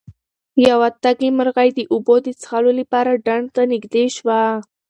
یوه تږې مرغۍ د اوبو د څښلو لپاره ډنډ ته نږدې شوه.